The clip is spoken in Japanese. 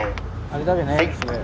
あれだべね。